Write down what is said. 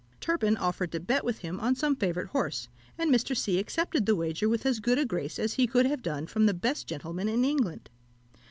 Turpin offered to bet with him on some favourite horse, and Mr. C. accepted the wager with as good a grace as he could have done from the best gentleman in England.